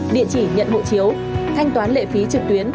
địa chỉ nhận hộ chiếu thanh toán lệ phí trực tuyến